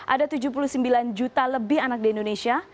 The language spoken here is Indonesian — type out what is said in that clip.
ada tujuh puluh sembilan juta lebih anak di indonesia